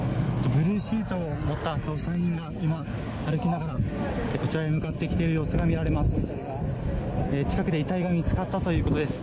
ブルーシートを持った捜査員が今、歩きながらこちらへ向かってきている様子が見られます。